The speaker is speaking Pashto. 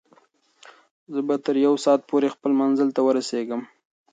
زه به تر یو ساعت پورې خپل منزل ته ورسېږم.